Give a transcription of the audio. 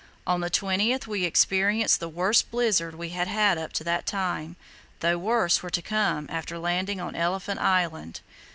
On the 20th we experienced the worst blizzard we had had up to that time, though worse were to come after landing on Elephant Island.